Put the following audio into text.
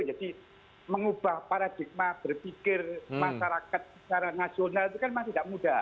jadi mengubah paradigma berpikir masyarakat secara nasional itu kan masih tidak mudah